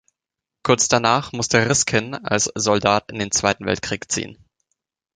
Kurz danach musste Riskin als Soldat in den Zweiten Weltkrieg ziehen.